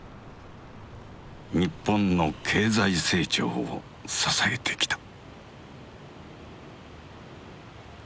日本の経済成長を支えてきた。